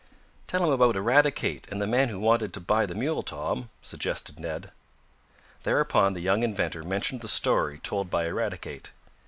"Tell him about Eradicate, and the man who wanted to buy the mule, Tom," suggested Ned. Thereupon the young inventor mentioned the story told by Eradicate.